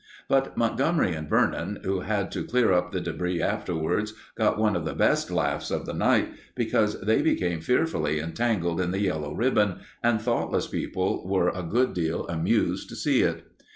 But Montgomery and Vernon, who had to clear up the debris afterwards, got one of the best laughs of the night, because they became fearfully entangled in the yellow ribbon, and thoughtless people were a good deal amused to see it.